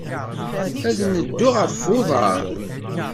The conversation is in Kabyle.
Ad neddu ɣef uḍar.